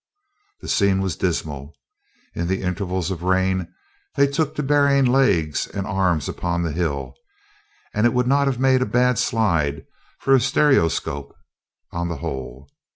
The scene was dismal: in the intervals of rain, they took to burying legs and arms upon the hill, and it would not have made a bad slide for a stereoscope, on the whole.